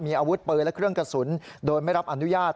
มีอาวุธปืนและเครื่องกระสุนโดยไม่รับอนุญาต